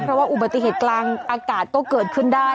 เพราะว่าอุบัติเหตุกลางอากาศก็เกิดขึ้นได้